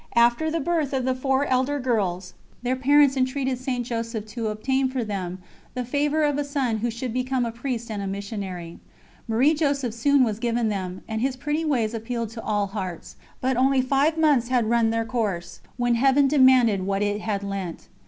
After the birth of the four elder girls, their parents entreated St. Joseph to obtain for them the favour of a son who should become a priest and a missionary. Marie Joseph soon was given them, and his pretty ways appealed to all hearts, but only five months had run their course when Heaven demanded what it had lent.